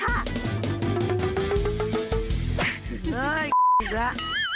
เฮ้ยอีกแล้ว